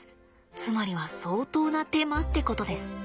つまりは相当な手間ってことです。